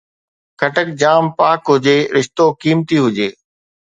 خٽڪ جام پاڪ هجي، رشتو قيمتي هجي